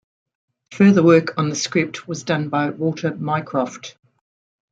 Further work on the script was done by Walter Mycroft.